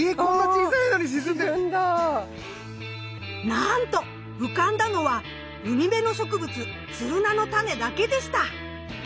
なんと浮かんだのは海辺の植物ツルナのタネだけでした。